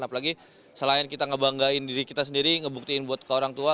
apalagi selain kita ngebanggain diri kita sendiri ngebuktiin buat ke orang tua